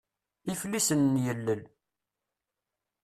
Iflisen n yilel.